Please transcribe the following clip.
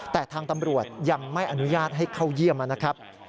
แต่ทางตำรวจยังไม่อนุญาตให้เข้าเยี่ยมนะครับ